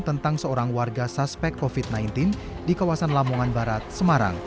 tentang seorang warga suspek covid sembilan belas di kawasan lamongan barat semarang